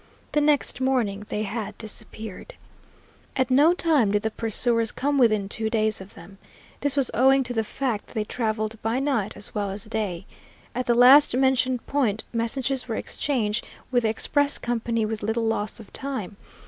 The next morning they had disappeared. At no time did the pursuers come within two days of them. This was owing to the fact that they traveled by night as well as day. At the last mentioned point messages were exchanged with the express company with little loss of time.